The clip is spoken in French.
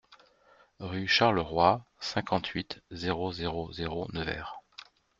Rue Charles Roy, cinquante-huit, zéro zéro zéro Nevers